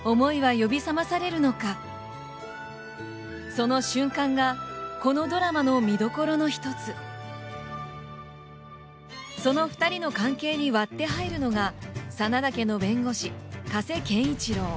その瞬間がこのドラマの見どころの一つその二人の関係に割って入るのが真田家の弁護士加瀬賢一郎